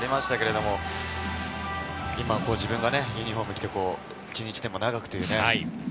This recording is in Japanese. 今自分がユニホームを着て一日でも長くというね。